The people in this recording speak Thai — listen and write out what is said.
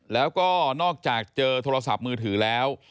แล้วก็นอกจากเจอโทรศัพท์มือถือแล้ว